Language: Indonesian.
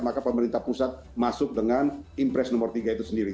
maka pemerintah pusat masuk dengan impres nomor tiga itu sendiri